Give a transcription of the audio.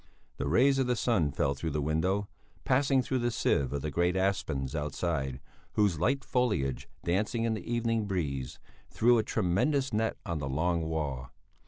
The rays of the sun fell through the window, passing through the sieve of the great aspens outside, whose light foliage, dancing in the evening breeze, threw a tremulous net on the long wall.